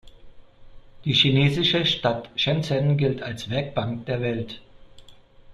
Die chinesische Stadt Shenzhen gilt als „Werkbank der Welt“.